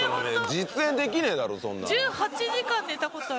実演できねえだろそんなの。